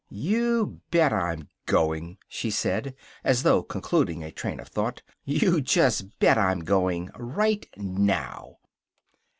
"You bet I'm going," she said, as though concluding a train of thought. "You just bet I'm going. Right now!"